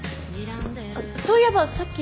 あっそういえばさっき。